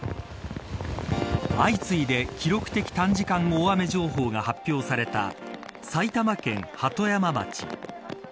相次いで記録的短時間大雨情報が発表された埼玉県鳩山町。